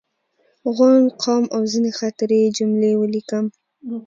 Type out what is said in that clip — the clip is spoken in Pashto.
غونډ، قوم او ځینې خاطرې یې جملې ولیکم.